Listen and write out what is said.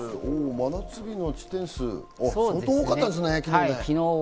真夏日の地点数、相当多かったんですね、昨日。